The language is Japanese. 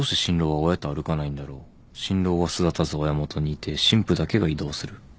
新郎は巣立たず親元にいて新婦だけが移動する。